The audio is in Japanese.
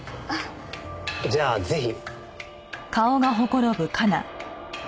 じゃあぜひ。